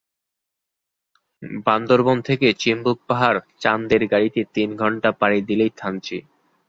বান্দরবন থেকে চিম্বুক পাহাড় চান্দের গাড়িতে তিন ঘন্টা পাড়ি দিলেই থানচি।